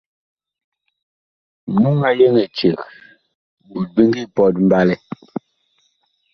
Muŋ a yeŋ eceg ɓot bi ngi pɔt mɓalɛ.